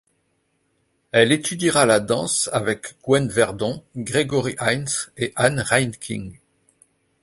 Elle étudiera la danse avec Gwen Verdon, Gregory Hines, et Ann Reinking.